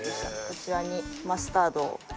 こちらにマスタードを。